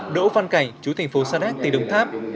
đỗ văn cảnh chú thành phố sa đéc tỉnh đồng tháp